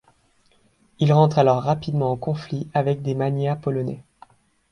Il rentre alors rapidement en conflict avec des magnats polonais.